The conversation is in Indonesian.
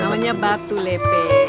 namanya batu lepe